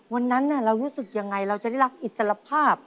วันนั้นเรารู้สึกยังไงเราจะได้รับอิสรภาพ